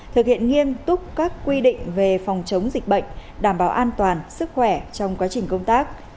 thực hiện nghiêm túc các quy định về phòng chống dịch bệnh đảm bảo an toàn sức khỏe trong quá trình công tác